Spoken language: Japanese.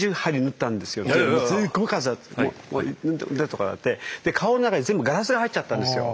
もうすごい数あって顔の中に全部ガラスが入っちゃったんですよ。